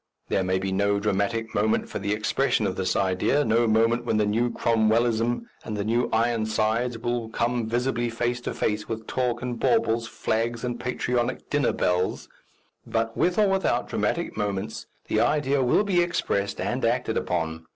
There may be no dramatic moment for the expression of this idea, no moment when the new Cromwellism and the new Ironsides will come visibly face to face with talk and baubles, flags and patriotic dinner bells; but, with or without dramatic moments, the idea will be expressed and acted upon.